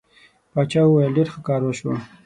باچا وویل ډېر ښه کار وشو.